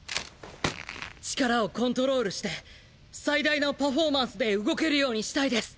力をコントロールして最大のパフォーマンスで動けるようにしたいです。